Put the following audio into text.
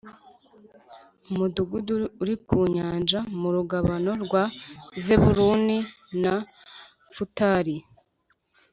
umudugudu uri ku nyanja mu rugabano rwa Zebuluni na Nafutali